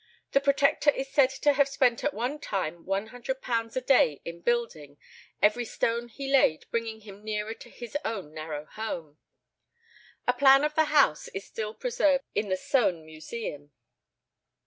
The Protector is said to have spent at one time £100 a day in building, every stone he laid bringing him nearer to his own narrow home. A plan of the house is still preserved in the Soane Museum.